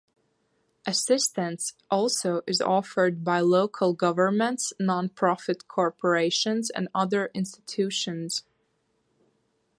Assistance also is offered by local governments, nonprofit corporations, and other institutions.